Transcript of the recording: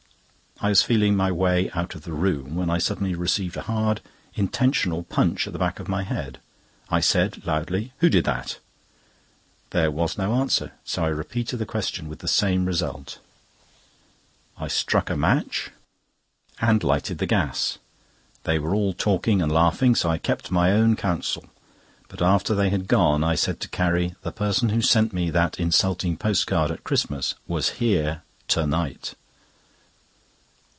I was feeling my way out of the room, when I suddenly received a hard intentional punch at the back of my head. I said loudly: "Who did that?" There was no answer; so I repeated the question, with the same result. I struck a match, and lighted the gas. They were all talking and laughing, so I kept my own counsel; but, after they had gone, I said to Carrie; "The person who sent me that insulting post card at Christmas was here to night."